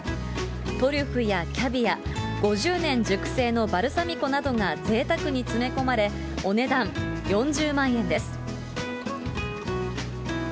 トリュフやキャビア、５０年熟成のバルサミコなどがぜいたくに詰め込まれ、お値段４０万円です。